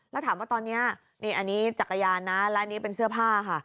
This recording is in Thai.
แล้วถามว่าตอนนี้นี่อันนี้จักรยานนะและอันนี้เป็นเสื้อผ้าค่ะ